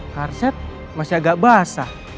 karset masih agak basah